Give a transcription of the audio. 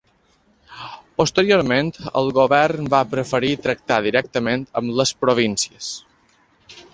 Posteriorment, el govern va preferir tractar directament amb les províncies.